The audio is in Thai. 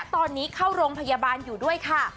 ตอนนี้เข้าโรงพยาบาลอยู่ด้วยค่ะ